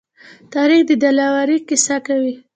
تاریخ د دلاورۍ قصه کوي.